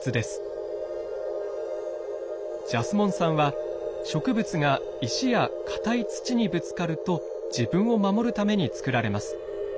ジャスモン酸は植物が石や硬い土にぶつかると自分を守るために作られます。